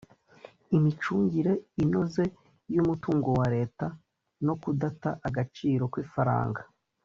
imicungire inoze y’umutungo wa Leta no kudata agaciro kw’ifaranga